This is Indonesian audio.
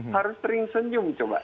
harus sering senyum coba